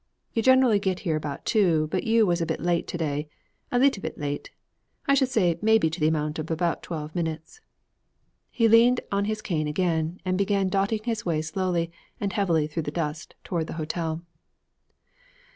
You gen'lly get here about two, but you was a bit late to day, a leetle bit late, I should say maybe to the amount of about twelve minutes.' He leaned on his cane again and began dotting his way slowly and heavily through the dust toward the hotel.